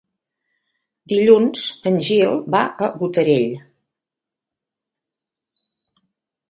Dilluns en Gil va a Botarell.